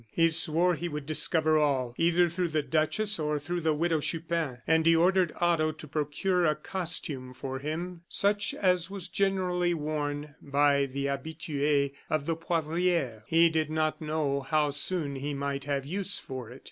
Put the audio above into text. He swore he would discover all, either through the duchess or through the Widow Chupin; and he ordered Otto to procure a costume for him such as was generally worn by the habitues of the Poivriere. He did not know how soon he might have use for it.